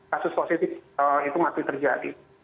kasus positif itu masih terjadi